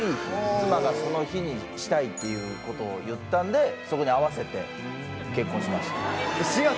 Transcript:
妻がその日にしたいっていうことを言ったんでそこに合わせて結婚しました。